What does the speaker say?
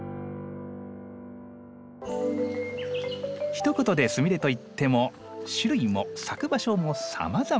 ひと言でスミレといっても種類も咲く場所もさまざま。